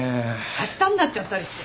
あしたになっちゃったりして。